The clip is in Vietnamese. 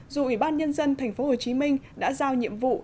dù ủy ban nhân dân tp hcm đã giao nhiệm vụ